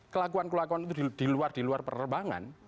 kelakuan kelakuan itu di luar luar pererbangan